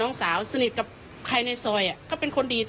เสพยาเสพติดเข้าไปด้วยไม่อย่างนั้นคงไม่เจอ